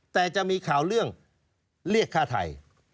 แต่จะมีข่าวเรื่องเรียกฆ่าไทย